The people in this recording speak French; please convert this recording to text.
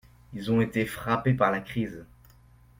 Ils ont été frappés par la crise.